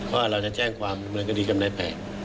ว่าเราจะแจ้งความอะไรก็ดีกับนายแผน